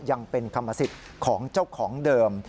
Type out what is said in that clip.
ยังเป็นกรรมสิทธิ์ของเจ้าของเดิม